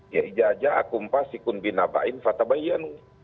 ya ijaja akumpasikun binabain fatabayanu